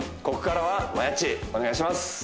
ここからはマヤっちお願いします